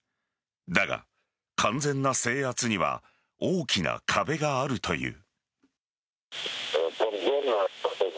だが、完全な制圧には大きな壁があるという。